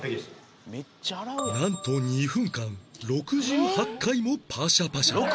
なんと２分間６８回もパシャパシャ